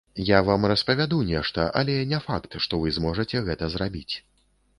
Я вам распавяду нешта, але не факт, што вы зможаце гэта зрабіць.